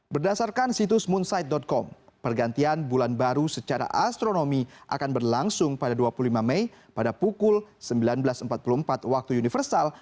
berdasarkan situs moonsight com pergantian bulan baru secara astronomi akan berlangsung pada dua puluh lima mei pada pukul sembilan belas empat puluh empat waktu universal